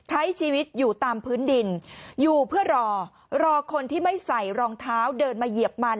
ใช้ชีวิตอยู่ตามพื้นดินอยู่เพื่อรอรอคนที่ไม่ใส่รองเท้าเดินมาเหยียบมัน